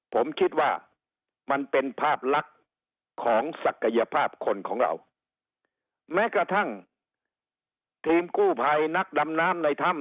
ผมคิดว่ามันเป็นภาพลักษณ์ของศักยภาพคนของเราแม้กระทั่งทีมกู้ภัยนักดำน้ำในถ้ำ